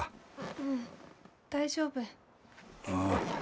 うん大丈夫。